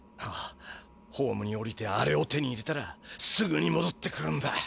ああホームにおりてあれを手に入れたらすぐにもどってくるんだ。